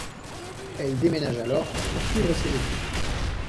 Elle déménage alors pour poursuivre ses études.